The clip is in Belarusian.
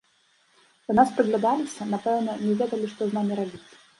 Да нас прыглядаліся, напэўна, не ведалі, што з намі рабіць.